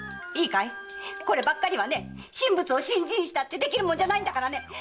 いいかいこればっかりは神仏を信心したってできるもんじゃないからね！